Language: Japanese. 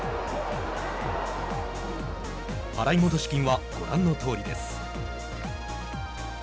払戻金はご覧のとおりです。